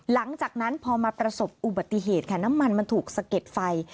หลังจากนั้นพอมาประสบอุบัติเหตุค่ะน้ำมันมันถูกสะเก็ดไฟ